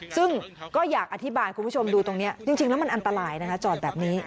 ซึ่งก็อยากอธิบายคุณผู้ชมดูตรงนี้จริงแล้วมันอันตรายนะคะจอดแบบนี้